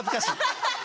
ハハハハ！